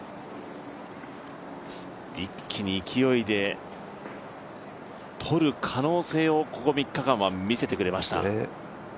一気に勢いでとる可能性を、ここ３日間は見せてくれました。